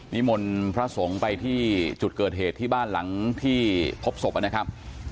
นิมนต์พระสงฆ์ไปที่จุดเกิดเหตุที่บ้านหลังที่พบศพนะครับ